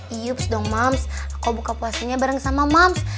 yups dong mams aku buka puasanya bareng sama mams